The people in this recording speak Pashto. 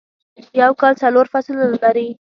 یوکال څلور فصلونه لری